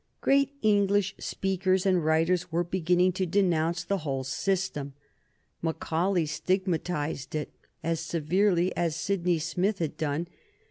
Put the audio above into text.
Great English speakers and writers were beginning to denounce the whole system. Macaulay stigmatized it as severely as Sydney Smith had done.